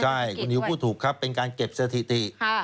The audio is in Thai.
ใช่คุณนิวพูดถูกครับเป็นการเก็บสถิติ